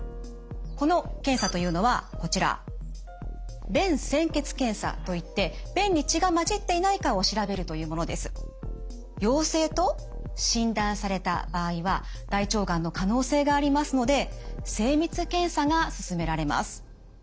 この検査というのはこちら陽性と診断された場合は大腸がんの可能性がありますので精密検査がすすめられます。